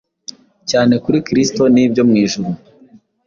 cyane kuri Kristo n’ibyo mu ijuru,